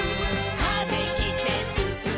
「風切ってすすもう」